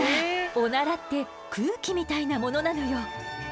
オナラって空気みたいなものなのよ。